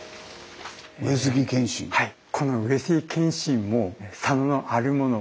はい。